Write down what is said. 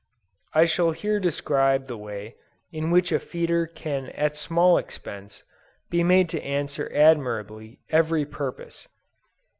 I shall here describe the way in which a feeder can at small expense, be made to answer admirably every purpose.